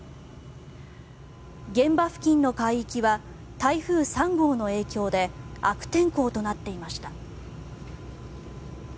現場付近の海域は台風３号の影響で悪天候となっていました。